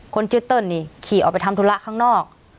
คนชื่อเติ้ลนี่ขี่ออกไปทำธุระข้างนอก